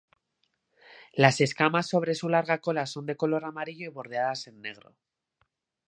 Las escamas sobre su larga cola son de color amarillo y bordeadas en negro.